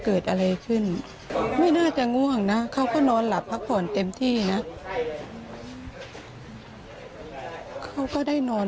เมื่อคืนเขาก็ได้นอน